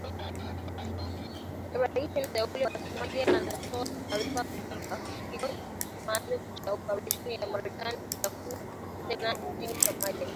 Rais mteule wa Somalia anatoa taarifa kwamba kikosi maalum cha operesheni cha Marekani kitakuwa tena nchini Somalia